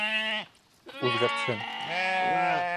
Үҙгәртһен.